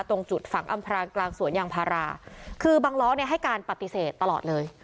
ตรงจุดฝังอำพรางกลางสวนยางพาราคือบังล้อเนี่ยให้การปฏิเสธตลอดเลย